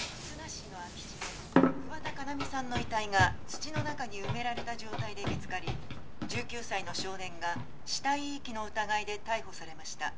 市の空き地で桑田佳那美さんの遺体が土の中に埋められた状態で見つかり１９歳の少年が死体遺棄の疑いで逮捕されました